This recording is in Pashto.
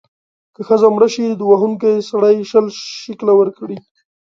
که ښځه مړه شي، وهونکی سړی شل شِکِله ورکړي.